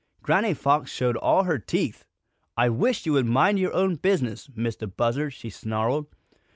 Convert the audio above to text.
Granny Fox showed all her teeth. "I wish you would mind your own business, Mistah Buzzard!" she snarled.